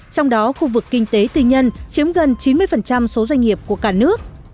trong đó khu vực kinh tế tư nhân chiếm gần chín mươi số doanh nghiệp của cả nước